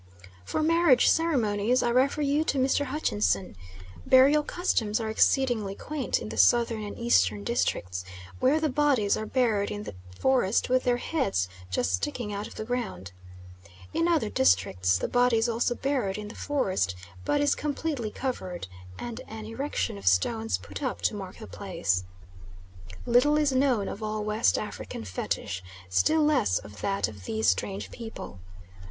For marriage ceremonies I refer you to Mr. Hutchinson. Burial customs are exceedingly quaint in the southern and eastern districts, where the bodies are buried in the forest with their heads just sticking out of the ground. In other districts the body is also buried in the forest, but is completely covered and an erection of stones put up to mark the place. Little is known of all West African fetish, still less of that of these strange people. Dr.